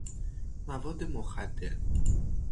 مواد مخدر